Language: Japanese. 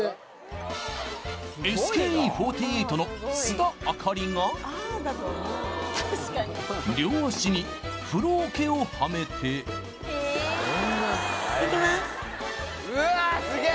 ＳＫＥ４８の須田亜香里が両足に風呂桶をはめてうわっ！